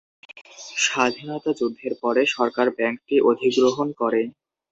স্বাধীনতা যুদ্ধের পরে সরকার ব্যাংকটি অধিগ্রহণ করে।